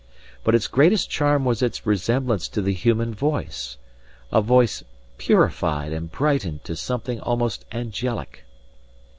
But its greatest charm was its resemblance to the human voice a voice purified and brightened to something almost angelic.